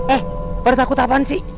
eh bertakut apaan sih